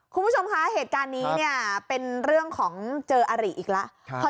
คุณผู้ชมคะเหตุการณ์นี้เนี่ยเป็นเรื่องของเจออาริอีกแล้ว